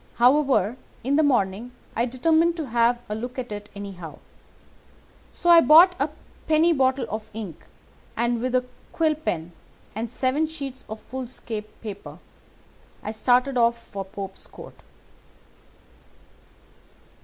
However, in the morning I determined to have a look at it anyhow, so I bought a penny bottle of ink, and with a quill pen, and seven sheets of foolscap paper, I started off for Pope's Court.